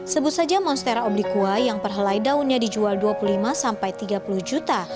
sebut saja monstera oblikua yang perhelai daunnya dijual dua puluh lima sampai tiga puluh juta